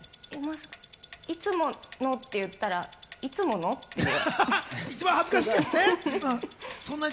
いつものって言ったら、いつもの？って。